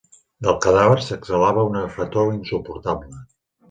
Del cadàver s'exhalava una fetor insuportable.